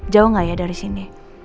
jauh nggak ya dari sini